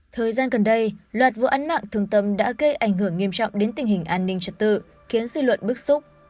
thời gian gần đây loạt vụ án mạng thường tâm đã gây ảnh hưởng nghiêm trọng đến tình hình an ninh trật tự khiến dư luận bức xúc